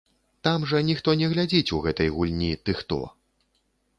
Там жа ніхто не глядзіць у гэтай гульні ты хто.